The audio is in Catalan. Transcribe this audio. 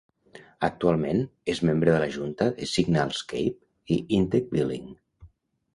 Actualment, és membre de la junta de Signalscape i Intec Billing.